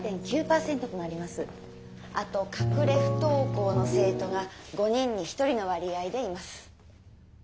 あと隠れ不登校の生徒が５人に１人の割合でいます。